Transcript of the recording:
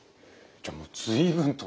じゃもう随分とね。